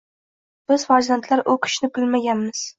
Biz farzandlar u kishini bilmaganmiz.